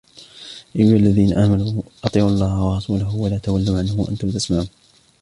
يَا أَيُّهَا الَّذِينَ آمَنُوا أَطِيعُوا اللَّهَ وَرَسُولَهُ وَلَا تَوَلَّوْا عَنْهُ وَأَنْتُمْ تَسْمَعُونَ